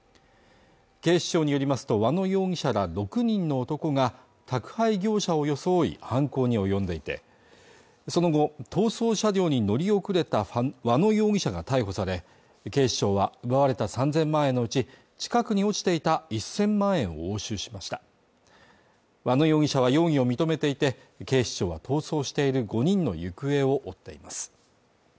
警視庁によりますと和野容疑者ら６人の男が宅配業者を装い犯行に及んでいてその後逃走車両に乗り遅れた和野容疑者が逮捕され警視庁は奪われた３０００万円のうち近くに落ちていた１０００万円を押収しました和野容疑者は容疑を認めていて警視庁は逃走している５人の行方を追っています